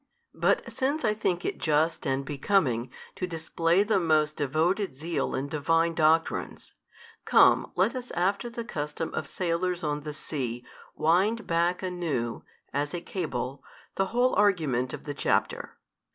But since I think it just and becoming, to display the most devoted zeal in Divine doctrines; come let us after the custom of sailors on the sea wind back anew (as a cable) the whole argument of the chapter.